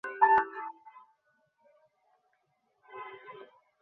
ঠিকাদার শহীদুলের পরিবার ছাড়া অন্য পাঁচটি ঘটনায় ভুক্তভোগীর পরিবার অপহরণ মামলা করেছে।